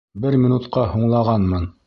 Бер минутҡа һуңлағанмын!